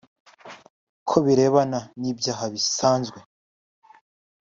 Ku birebana n’ibyaha bisanzwe